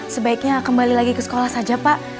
sebaiknya kembali lagi ke sekolah saja pak